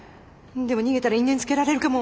でも逃げたら因縁つけられるかも。